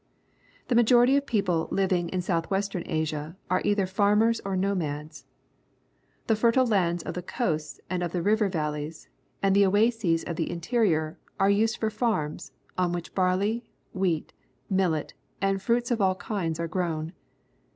The majority of the people living in South western Asia are either farmers or nomads. The fertile lands of the coasts and of the river valleys and the oases of the interior are used for farms, on which barley, wheat, millet, and fruits of all kinds are grown.